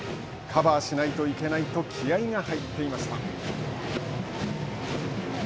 カバーしないといけないと気合いが入っていました。